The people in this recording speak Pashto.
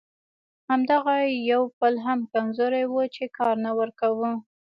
همدغه یو پل هم کمزوری و چې کار نه ورکاوه.